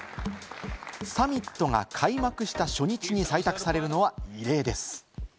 サミットが開幕した初日に採択されるのは異例です。